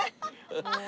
ハハハッ。